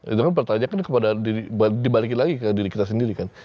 itu kan pertanyaan kepada dibalikin lagi ke diri kita sendiri kan